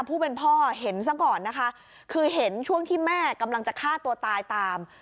ผู้เป็นพ่อเห็นซะก่อนนะคะคือเห็นช่วงที่แม่กำลังจะฆ่าตัวตายตาม